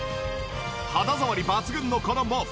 肌触り抜群のこの毛布。